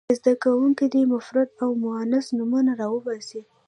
زده کوونکي دې مفرد او مؤنث نومونه را وباسي.